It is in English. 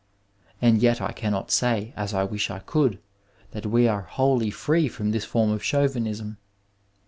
And yet I cannot say, as I wish I could, that we are wholly free from this form of Chauvinism.